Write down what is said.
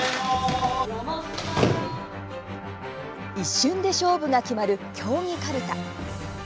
一瞬で勝負が決まる競技かるた。